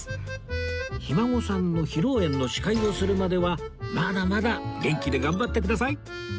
ひ孫さんの披露宴の司会をするまではまだまだ元気で頑張ってください